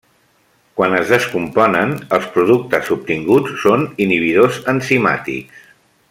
Quan es descomponen, els productes obtinguts són inhibidors enzimàtics.